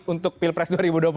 untuk pilpres dua ribu dua puluh